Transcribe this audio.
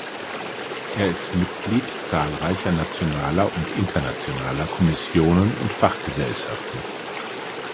Er ist Mitglied zahlreicher nationaler und internationaler Kommissionen und Fachgesellschaften.